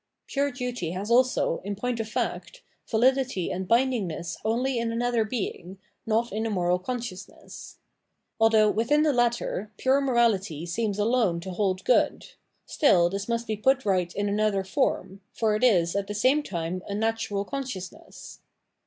Pure duty has also, in point of fact, vahdity and bindingness only in another being, not in the moral consciousness. Although, within the latter, pure morality seems alone to hold good, still this must be put right in another form, for it is, at the same time, a natural consciousness.